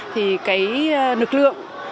thì cái lực lượng